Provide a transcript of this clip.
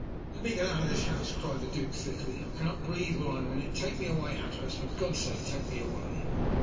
"Let me get out of this house," cried the Duke thickly. "I cannot breathe while I am in it. Take me away, Hatteras; for God's sake take me away!"